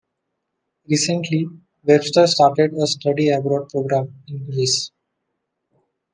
Recently, Webster started a study abroad program in Greece.